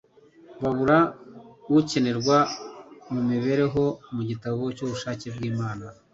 babura ukenerwa mu mibereho. Mu gitabo cy'ubushake bw'Imana,